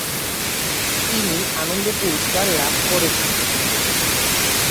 তিনি আনন্দ পুরস্কার লাভ করেছেন।